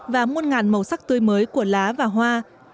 và muôn ngàn màu sắc tươi mới của lá và hoa